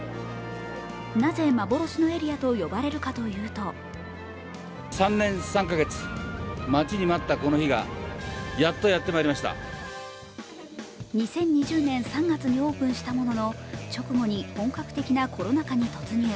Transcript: なぜ、幻のエリアと呼ばれるかというと２０２０年３月にオープンしたものの直後に本格的なコロナ禍に突入。